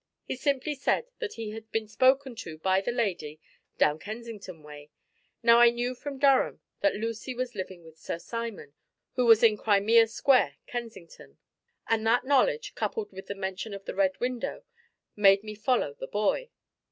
He simply said that he had been spoken to by the lady down Kensington way. Now I knew from Durham that Lucy was living with Sir Simon, who was in Crimea Square, Kensington, and that knowledge, coupled with the mention of the Red Window, made me follow the boy."